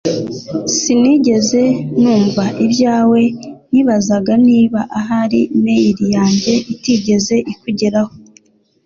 Sinigeze numva ibyawe Nibazaga niba ahari mail yanjye itigeze ikugeraho